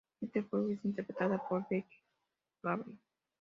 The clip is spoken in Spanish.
En este juego es interpretada por Becky Gable.